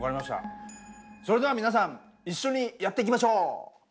それでは皆さん一緒にやっていきましょう！